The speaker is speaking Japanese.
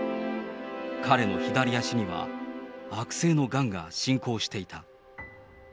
彼の左足には悪性のがんが進行していた。